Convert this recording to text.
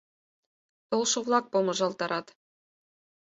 Толшо-влак помыжалтарат.